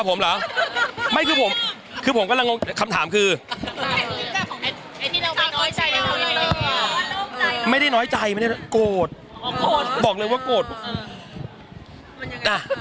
ผมเหรอผมเหรอไม่คือผมคือผมกำลังคำถามคือไม่ได้น้อยใจไม่ได้โกรธบอกเลยว่าโกรธ